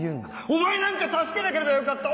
「お前なんか助けなければよかった！」。